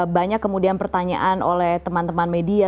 banyak kemudian pertanyaan oleh teman teman media